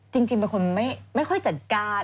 จริงเป็นคนไม่ค่อยจัดการ